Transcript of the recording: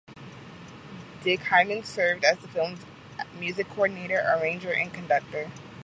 Dick Hyman served as the film's music coordinator, arranger, and conductor.